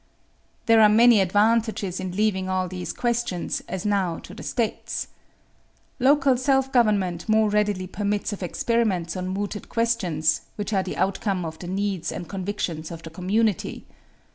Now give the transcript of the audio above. "There are many advantages in leaving all these questions, as now, to the States. Local self government more readily permits of experiments on mooted questions, which are the outcome of the needs and convictions of the community.